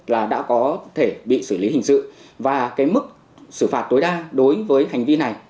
là đã có thể bị xử lý hình sự và cái mức xử phạt tối đa đối với hành vi này